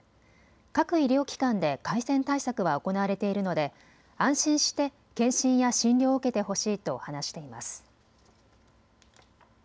各医療機関で感染対策は行われているので安心して検診や診療を受けてほしいと話しています。